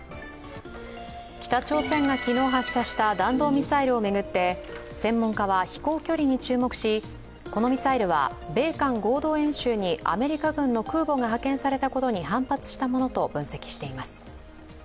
北朝鮮が昨日、発射した弾道ミサイルを巡って専門家は飛行距離に注目しこのミサイルは米韓合同軍事演習にアメリカ軍の空母が派遣されたことに反発したものと分析しています。